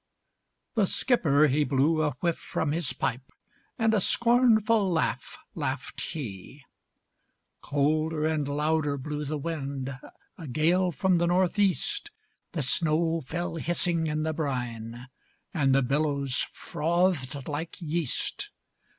The skipper, he blew a whiff from his pipe, And a scornful laugh laughed he. Colder and louder blew the wind, A gale from the Northeast; The snow fell hissing in the brine, And the billows frothed like yeast.